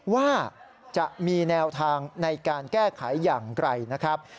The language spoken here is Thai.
ว่าจะมีแนวทางในการแก้ไขอย่างไกลนะครับ